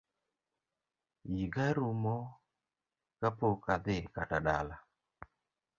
Yiga rumo ka pok adhi kata dala